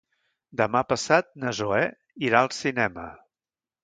Demà passat na Zoè irà al cinema.